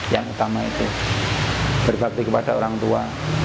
yang utama itu berbakti kepada orang tua